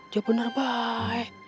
jawab bener baik